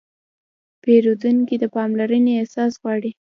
پیرودونکی د پاملرنې احساس غواړي.